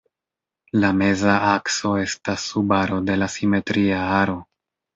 La meza akso estas subaro de la simetria aro.